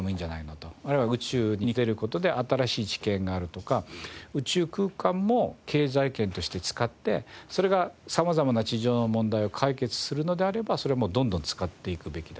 あるいは宇宙に出る事で新しい知見があるとか宇宙空間も経済圏として使ってそれが様々な地上の問題を解決するのであればそれはもうどんどん使っていくべきだと思うし。